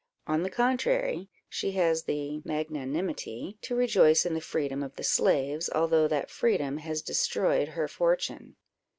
On the contrary, she has the magnanimity to rejoice in the freedom of the slaves, although that freedom has destroyed her fortune."